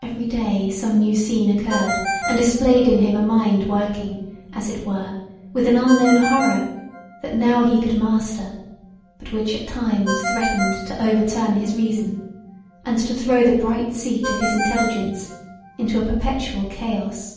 Every day some new scene occured and displayed in him a mind working as [it] were with an unknown horror that now he could master but which at times threatened to overturn his reason, and to throw the bright seat of his intelligence into a perpetual chaos.